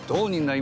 今。